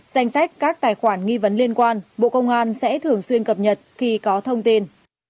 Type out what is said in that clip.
danh sách các tài khoản nghi vấn liên quan bộ công an sẽ thường xuyên cập nhật khi có thông tin